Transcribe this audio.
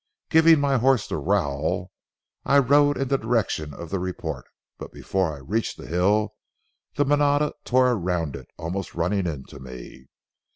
Giving my horse the rowel, I rode in the direction of the report; but before I reached the hill the manada tore around it, almost running into me.